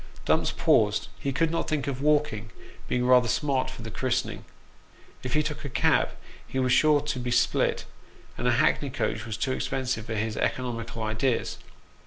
Dumps paused ; he could not think of walking, being rather smart for the christening. If he took a cab he was sure to be spilt, and a hackney coach was too expensive for his economical ideas.